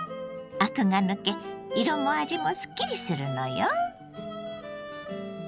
アクが抜け色も味もすっきりするのよ。